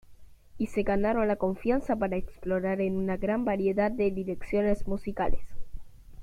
Y se ganaron la confianza para explorar en una gran variedad de direcciones musicales.